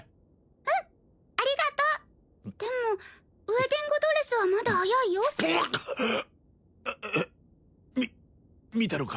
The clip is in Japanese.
うんありがとうでもウエディングドレスはまだ早いよみ見たのか？